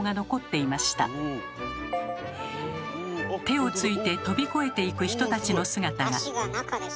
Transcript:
手をついてとび越えていく人たちの姿が。